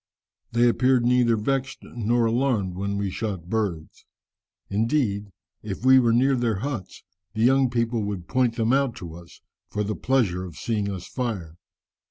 They appeared neither vexed nor alarmed when we shot birds. Indeed, if we were near their huts, the young people would point them out to us, for the pleasure of seeing us fire.